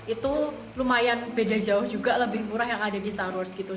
itu lumayan beda jauh juga lebih murah yang ada di star wars gitu